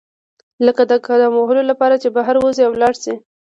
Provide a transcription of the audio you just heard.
لکه د قدم وهلو لپاره چې بهر وزئ او لاړ شئ.